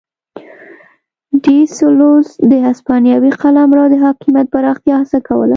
ډي سلوس د هسپانوي قلمرو د حاکمیت پراختیا هڅه کوله.